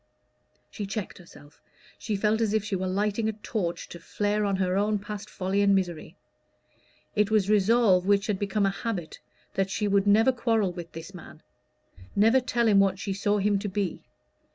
She checked herself: she felt as if she were lighting a torch to flare on her own past folly and misery. It was a resolve which had become a habit, that she would never quarrel with this man never tell him what she saw him to be.